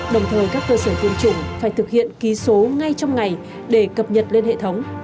đồng thời các cơ sở tiêm chủng phải thực hiện ký số ngay trong ngày để cập nhật lên hệ thống